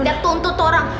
dan tuntut orang